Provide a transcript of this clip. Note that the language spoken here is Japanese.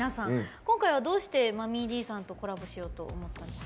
今回はどうしてＭｕｍｍｙ‐Ｄさんとコラボしようと思ったんですか？